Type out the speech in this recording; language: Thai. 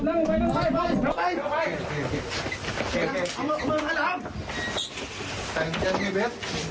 แต่มันเพิ่มปรับ